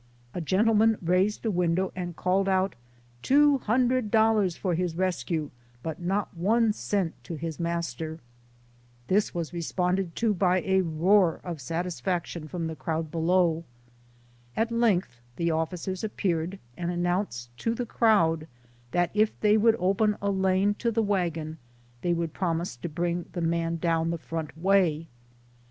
A gentleman raised a window and called out, " Two hundred dollars for his rescue, but not one cent to his master !" This was responded to by a roar of satisfaction from the crowd below. At length the officers appeared, and announced to 90 SOME SCENES IN THE the crowd that if they would open a lane to the wagon, they would promise to bring the man down the front way.